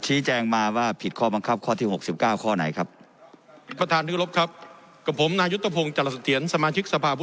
อ่ะชี้แจงมาว่าผิดค้าบังคับค่อที่๖๙ข้อไหนครับ